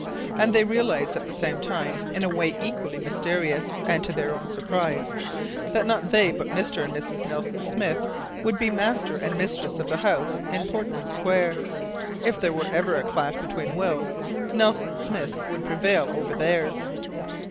And they realized at the same time in a way equally mysterious, and to their own surprise, that not they but Mr. and Mrs. Nelson Smith would be master and mistress of the house in Portman Square. If there were ever a clash between wills, Nelson Smith's would prevail over theirs.